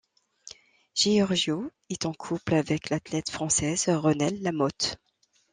Georgio est en couple avec l'athlète française Renelle Lamote.